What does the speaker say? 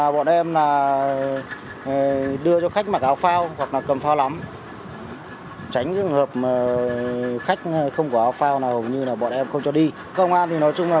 bọn em không cho đi công an thì nói chung là